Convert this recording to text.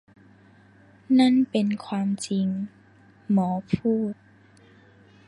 นั่นเป็นความจริงหมอพูด